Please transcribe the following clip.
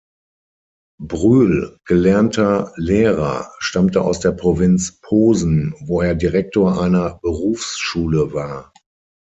Brühl, gelernter Lehrer, stammte aus der Provinz Posen, wo er Direktor einer Berufsschule war.